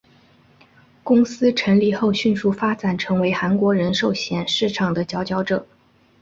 公司成立后迅速发展成为韩国人寿险市场的佼佼者。